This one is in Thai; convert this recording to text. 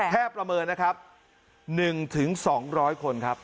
ประเมินนะครับ๑๒๐๐คนครับ